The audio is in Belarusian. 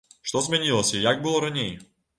Што змянілася і як было раней?